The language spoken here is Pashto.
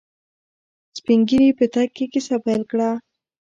سپينږيري په تګ کې کيسه پيل کړه.